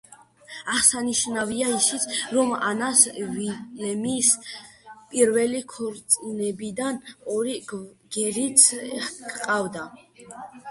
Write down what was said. აღსანიშნავია ისიც, რომ ანას ვილემის პირველი ქორწინებიდან ორი გერიც ჰყავდა.